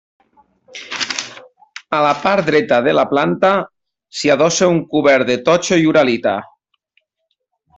A la part dreta de la planta s'hi adossa un cobert de totxo i uralita.